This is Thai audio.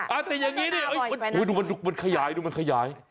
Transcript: อ่ะแต่อย่างงี้ดูมันขยาย